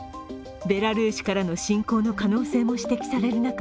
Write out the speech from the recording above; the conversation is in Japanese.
ベラルーシからの侵攻の可能性も指摘される